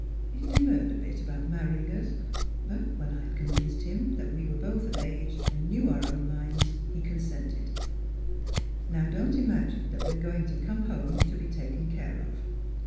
He demurred a bit about marry ing us but when I'd convinced him that we were both of age and knew our own minds he consented. " Now, don't imagine that we're going to come home to be taken care of.